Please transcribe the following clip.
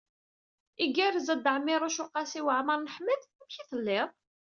Igerrez a Dda Ɛmiiruc u Qasi Waɛmer n Ḥmed? Amek i tettiliḍ?